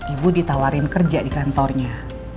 ibu ditawarin kerja di kantornya